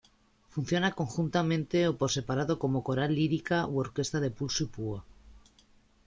Funciona conjuntamente o por separado como coral lírica u orquesta de pulso y púa.